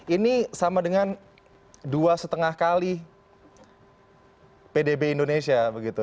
ini sama dengan dua lima kali pdb indonesia begitu